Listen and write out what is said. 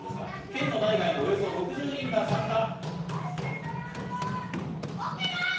県内外のおよそ６０人が参加。